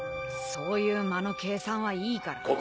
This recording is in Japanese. そういう間の計算はいいから。